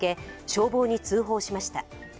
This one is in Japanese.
消防に通報しました。